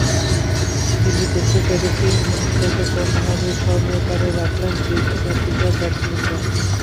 দিল্লি টেস্টের চতুর্থ ইনিংসটাকে অন্যভাবেই স্মরণীয় করে রাখলেন দক্ষিণ আফ্রিকার ব্যাটসম্যানরা।